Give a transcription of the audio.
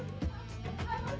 gimana sih mas johnny